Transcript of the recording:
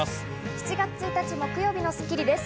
７月１日、木曜日の『スッキリ』です。